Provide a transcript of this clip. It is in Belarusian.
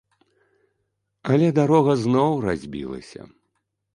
Але дарога зноў разбілася.